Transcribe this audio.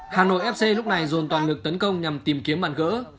hà nội fc lúc này dồn toàn lực tấn công nhằm tìm kiếm bàn gỡ